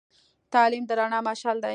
تعلیم د رڼا مشعل دی.